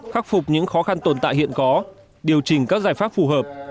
khắc phục những khó khăn tồn tại hiện có điều chỉnh các giải pháp phù hợp